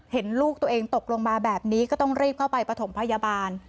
เห็นลูกตัวเองตกลงมาแบบนี้ก็ต้องรีบเข้าไปประถมพยาบาล